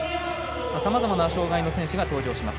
さまざまな障がいの選手が登場します。